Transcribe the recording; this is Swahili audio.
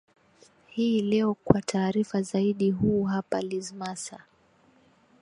hii leo kwa taarifa zaidi huu hapa liz masa